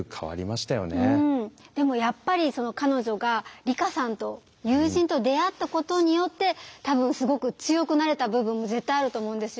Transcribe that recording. でもやっぱり彼女が利華さんと友人と出会ったことによって多分すごく強くなれた部分が絶対あると思うんですよね。